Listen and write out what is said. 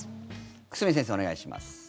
久住先生、お願いします。